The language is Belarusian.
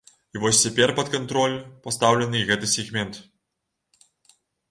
І вось цяпер пад кантроль пастаўлены і гэты сегмент.